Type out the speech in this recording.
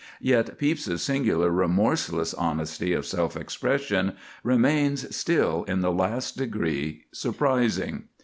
Yet Pepys's singular, remorseless honesty of self expression remains still in the last degree surprising.